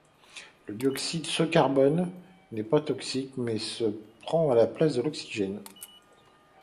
Le dioxyde ce carbone n'est pas toxique, mais il prend la place de l'oxygène.